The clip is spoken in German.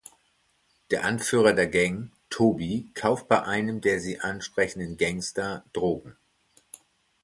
Der Anführer der Gang, Toby, kauft bei einem der sie ansprechenden "Gangster" Drogen.